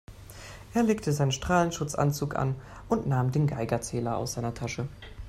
Er legte seinen Strahlenschutzanzug an und nahm den Geigerzähler aus seiner Tasche.